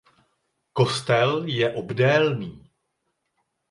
Kostel je obdélný.